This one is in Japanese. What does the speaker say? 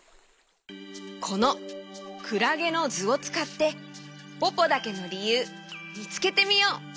このクラゲのずをつかってポポだけのりゆうみつけてみよう！